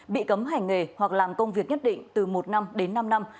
bị cấm hành nghề hoặc làm công việc nhất định từ một năm đến năm năm